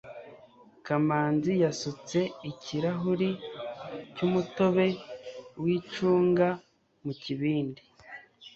kamanzi yasutse ikirahuri cy'umutobe w'icunga mu kibindi